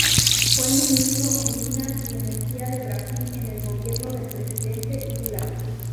Fue Ministro de Minas y Energía de Brasil en el gobierno del Presidente Lula.